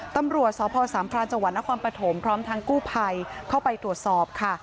ตำรวจสพสามพรานจังหวัดนครปฐมพร้อมทางกู้ภัยเข้าไปตรวจสอบค่ะ